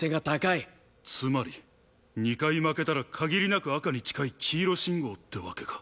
つまり２回負けたら限りなく赤に近い黄色信号ってわけか。